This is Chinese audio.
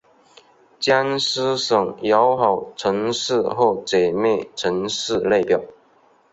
江苏省友好城市或姐妹城市列表